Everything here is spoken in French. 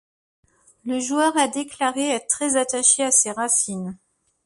Le joueur a déclaré être très attaché à ses racines.